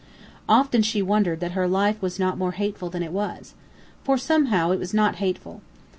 Often she wondered that her life was not more hateful than it was; for somehow it was not hateful.